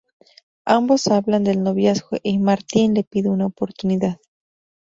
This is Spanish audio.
Ambos hablan del noviazgo y Martín le pide una oportunidad.